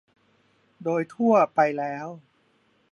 โดยทั่วไปแล้ว